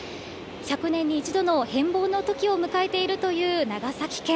１００年に１度の変貌の時を迎えているという長崎県。